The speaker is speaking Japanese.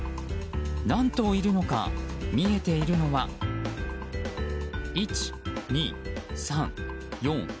何頭いるのか、見えているのは１、２、３１３頭。